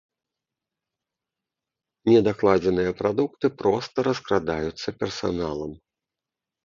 Недакладзеныя прадукты проста раскрадаюцца персаналам.